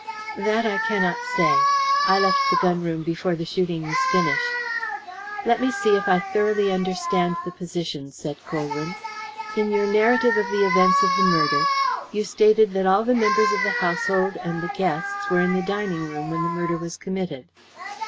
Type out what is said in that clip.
"That I cannot say. I left the gun room before the shooting was finished." "Let me see if I thoroughly understand the position," said Colwyn. "In your narrative of the events of the murder you stated that all the members of the household and the guests were in the dining room when the murder was committed.